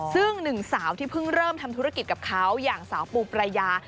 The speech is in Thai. ซึ่งหนึ่งสาวที่เพิ่งเริ่มทำธุรกิจกับเขาอย่างสาวปูปรายา